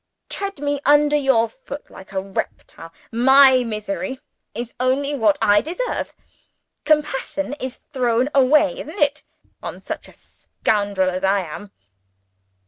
Tread Me under foot like a reptile. My misery is only what I deserve! Compassion is thrown away isn't it? on such a scoundrel as I am?"